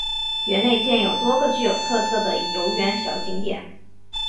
园内建有多个具有特色的游园小景点。